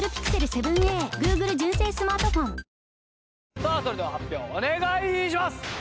さあそれでは発表お願いします！